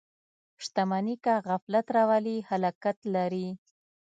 • شتمني که غفلت راولي، هلاکت لري.